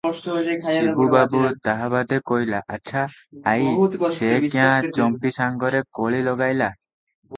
ଶିବୁ ବାବୁ ତାହା ବାଦେ କହିଲେ, "ଆଚ୍ଛା ଆଈ, ସେ କ୍ୟାଁ ଚମ୍ପୀ ସାଙ୍ଗରେ କଳି ଲଗାଇଲା?